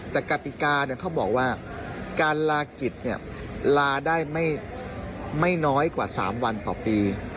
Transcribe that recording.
แต่กฎิกาเนี่ยเขาบอกว่าการลากิจเนี่ยลาได้ไม่น้อยกว่าสามวันต่อปี